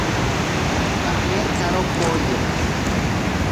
Kameetsaro kooya.